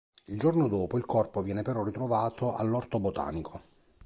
Il giorno dopo il corpo viene però ritrovato all’orto botanico.